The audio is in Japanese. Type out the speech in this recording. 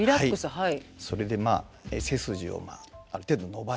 はい。